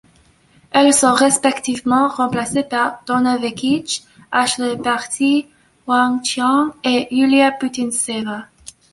Elles sont respectivement remplacées par Donna Vekić, Ashleigh Barty, Wang Qiang et Yulia Putintseva.